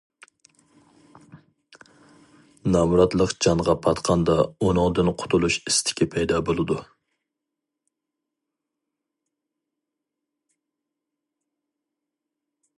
نامراتلىق جانغا پاتقاندا ئۇنىڭدىن قۇتۇلۇش ئىستىكى پەيدا بولىدۇ.